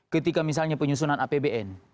ketika misalnya penyusunan apbn